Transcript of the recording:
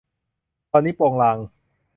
ตอนนี้โปงลาง